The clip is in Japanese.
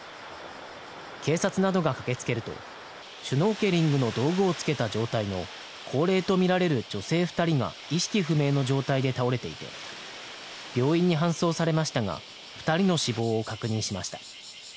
警察などが駆けつけるとシュノーケリングの道具を着けた状態の高齢とみられる女性２人が意識不明の状態で倒れていて病院に搬送されましたが２人の死亡を確認しました。